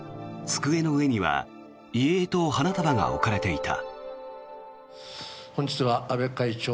机の上には遺影と花束が置かれていた。